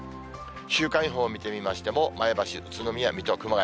週間予報を見てみましても、前橋、宇都宮、水戸、熊谷。